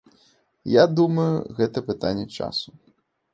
Я думаю, гэта пытанне часу.